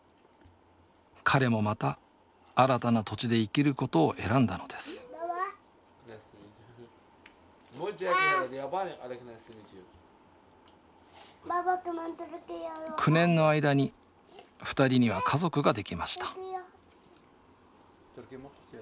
彼もまた新たな土地で生きることを選んだのです９年の間に２人には家族ができました